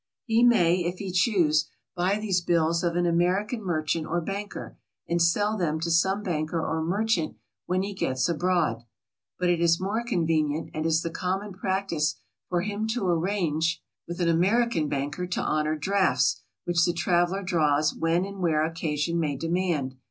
He may, if he choose, buy these bills of an Ameri can merchant or banker, and sell them to some banker or merchant when he gets abroad. But it is more convenient and is the common practice for him to arrange with an 184 SOMEWHAT FINANCIAL. 185 American banker to honor drafts, which the traveler draws when and where occasion may demand.